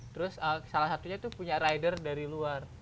terus salah satunya itu punya rider dari luar